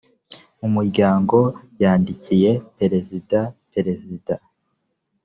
mumuryango yandikiye perezida perezida